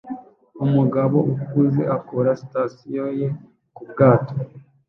Umugabo ukuze akora sitasiyo ye ku bwato